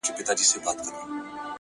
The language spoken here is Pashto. • له دوو غټو ښکلیو سترګو,